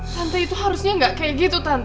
tante itu harusnya gak kayak gitu tante